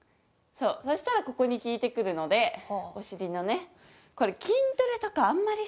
そしたらここに効いてくるのでお尻のね。